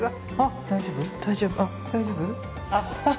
大丈夫？